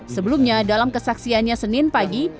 sebelumnya dalam kesaksiannya senin pagi